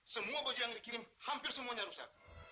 semua baju yang dikirim hampir semuanya rusak